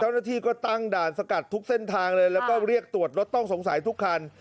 เจ้าหน้าที่ก็ตั้งด่านสกัดทุกเส้นทางเลยแล้วก็เรียกตรวจรถต้องสงสัยทุกคัน